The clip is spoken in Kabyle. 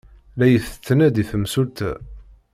La yi-tettnadi temsulta.